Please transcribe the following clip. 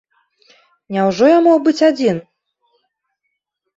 Няўжо я мог быць адзін?